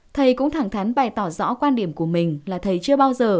thầy cũng thẳng thắn bày tỏ rõ quan điểm của mình là thầy chưa bao giờ